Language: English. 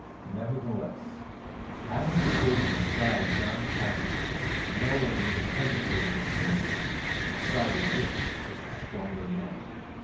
Nevertheless, had he stood beside John Harrington, no one would have hesitated an instant in deciding which was the stronger man.